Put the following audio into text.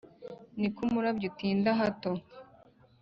ni ko umurabyo utinda hato :